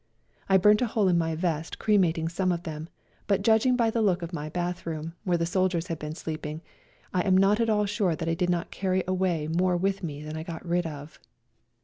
I burnt a hole, in my vest cremating some of them, but judging by the look of my bathroom, where the soldiers had been sleeping, I am not at all siu^e that I did not carry more away with me than I got rid of.